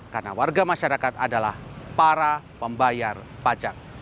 karena warga masyarakat adalah para pembayar pajak